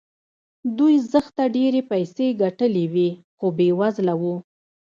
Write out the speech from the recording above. دوی زښته ډېرې پيسې ګټلې وې خو بې وزله وو.